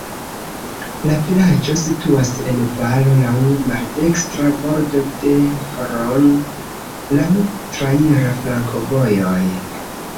La vilaĝo situas en valo, laŭ maldekstra bordo de Hron, laŭ traira flankovojoj.